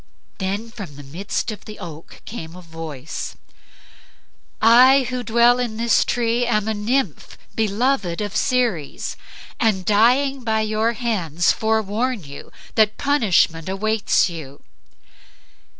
Then from the midst of the oak came a voice, "I who dwell in this tree am a nymph beloved of Ceres, and dying by your hands forewarn you that punishment awaits you."